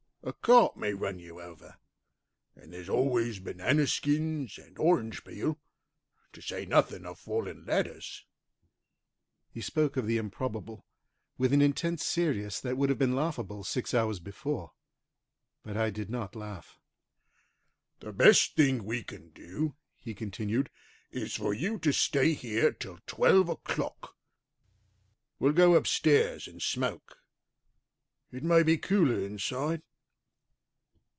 A cart may run you over, and there's always banana skins and orange peel, to say nothing of falling ladders." He spoke of the improbable with an intense seriousness that would have been laughable six hours before. But I did not laugh. "The best thing we can do," he continued, "is for you to stay here till twelve o'clock. We'll go upstairs and smoke; it may be cooler inside."